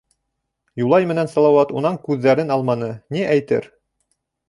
Юлай менән Салауат унан күҙҙәрен алманы: ни әйтер?